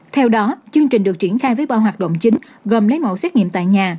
theo đó chương trình được triển khai với ba hoạt động chính gồm lấy mẫu xét nghiệm tại nhà